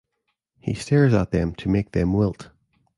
He stares at them to make them wilt.